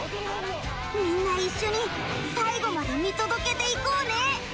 みんな一緒に最後まで見届けていこうね！